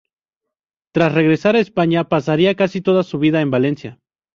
Tras regresar a España, pasaría casi toda su vida en Valencia.